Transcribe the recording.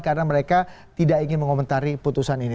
karena mereka tidak ingin mengomentari putusan ini